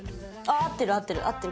合ってる合ってる。